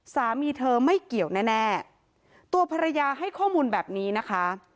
สามีเธอไม่เกี่ยวแน่ตัวภรรยาให้ข้อมูลแบบนี้นะคะ